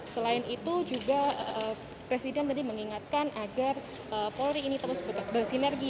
selain itu juga presiden tadi mengingatkan agar polri ini terus bersinergi